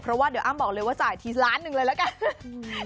เพราะว่าเดี๋ยวอ้ำบอกเลยว่าจ่ายทีล้านหนึ่งเลยละกัน